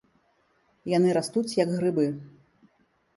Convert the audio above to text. Яны растуць як грыбы.